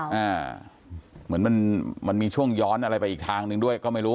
เหมือนมันมันมีช่วงย้อนอะไรไปอีกทางหนึ่งด้วยก็ไม่รู้